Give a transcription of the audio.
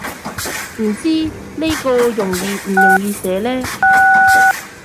唔知呢個容易唔容易寫呢